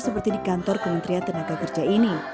seperti di kantor kementerian tenaga kerja ini